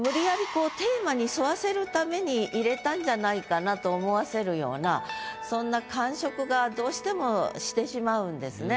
こうテーマに沿わせるために入れたんじゃないかなと思わせるようなそんな感触がどうしてもしてしまうんですね。